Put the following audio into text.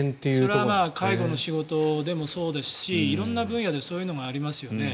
それは介護の仕事でもそうですし色んな分野でそういうのがありますよね。